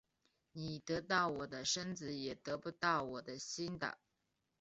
你得到我的身子也得不到我的心的